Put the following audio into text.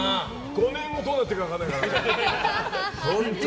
５年後どうなってるか分からないからね。